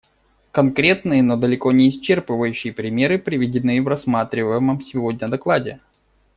Конкретные, но далеко не исчерпывающие примеры приведены в рассматриваемом сегодня докладе.